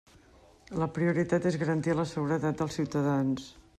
La prioritat és garantir la seguretat dels ciutadans.